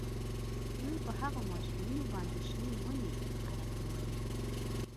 دوی په هغو ماشینونو باندې شنې ونې اره کولې